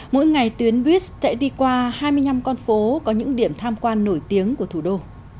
mỗi ngày tuyến buýt sẽ đi qua hai mươi năm con phố có những điểm tham quan nổi tiếng của thủ đô